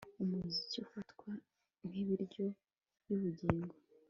Umuziki ufatwa nkibiryo byubugingo